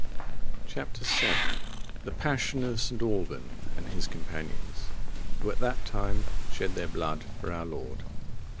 Chap. VII. The Passion of St. Alban and his companions, who at that time shed their blood for our Lord.